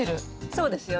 そうですよね。